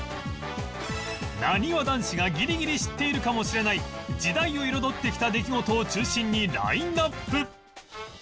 なにわ男子がギリギリ知っているかもしれない時代を彩ってきた出来事を中心にラインアップ